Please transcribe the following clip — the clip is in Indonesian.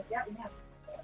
ini harus disimulasi